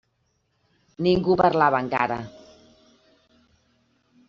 Ningú parlava encara.